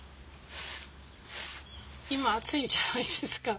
今暑いじゃないですか。